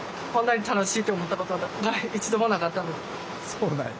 そうなんや。